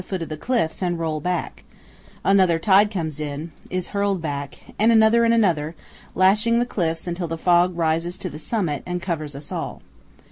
foot of the cliffs and roll back; another tide comes in, is hurled back, and another and another, lashing the cliffs until the fog rises to the summit and covers us all.